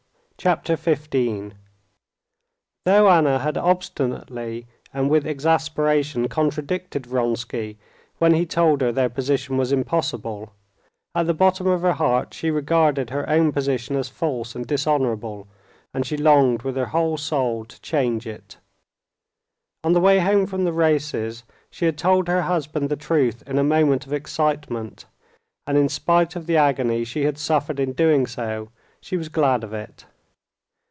Chapter 15 Though Anna had obstinately and with exasperation contradicted Vronsky when he told her their position was impossible, at the bottom of her heart she regarded her own position as false and dishonorable, and she longed with her whole soul to change it. On the way home from the races she had told her husband the truth in a moment of excitement, and in spite of the agony she had suffered in doing so, she was glad of it.